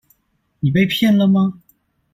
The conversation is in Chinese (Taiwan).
你被騙了嗎？